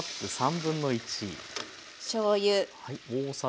しょうゆ。